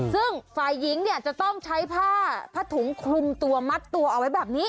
ซึ่งฝ่ายหญิงเนี่ยจะต้องใช้ผ้าผ้าถุงคลุมตัวมัดตัวเอาไว้แบบนี้